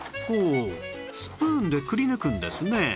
ほうスプーンでくり抜くんですね